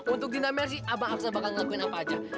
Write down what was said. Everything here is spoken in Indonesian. untuk dinda mercy abang aksan bakal ngelakuin apa aja